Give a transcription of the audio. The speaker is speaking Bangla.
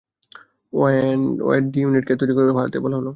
ওয়েড, ডি-ইউনিটকে তৈরি হতে বলো।